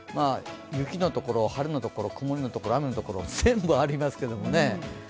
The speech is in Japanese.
雪のところ、晴れのところ曇りのところ、雨のところ全部ありますけども。